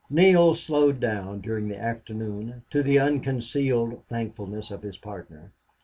Neale slowed down during the afternoon, to the unconcealed thankfulness of his partner.